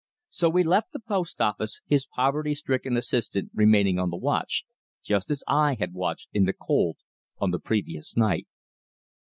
So we left the post office, his poverty stricken assistant remaining on the watch, just as I had watched in the cold on the previous night.